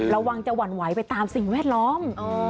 ระวังจะหวั่นไหวไปตามสิ่งแวดล้อม